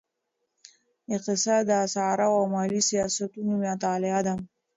اقتصاد د اسعارو او مالي سیاستونو مطالعه ده.